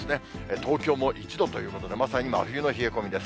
東京も１度ということで、まさに真冬の冷え込みです。